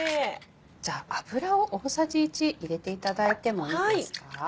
じゃあ油を大さじ１入れていただいてもいいですか？